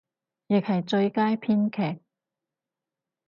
亦係最佳編劇